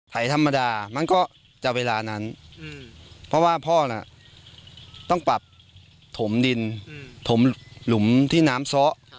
ไถธรรมดามันก็จะเวลานั้นเพราะว่าพ่อน่ะต้องปรับถมดินถมหลุมที่น้ำซ้อ